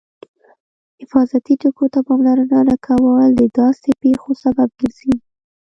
حفاظتي ټکو ته پاملرنه نه کول د داسې پېښو سبب ګرځي.